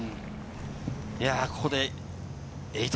ここで−８。